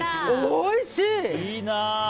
おいしい！